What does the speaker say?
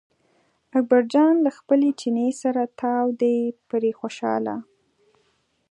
اکبر جان له خپل چیني سره تاو دی پرې خوشاله.